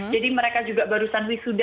mereka juga barusan wisuda